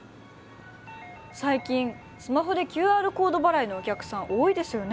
最近スマホでＱＲコード払いのお客さん多いですよね。